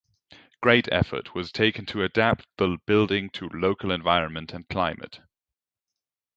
Great effort was taken to adapt the building to local environment and climate.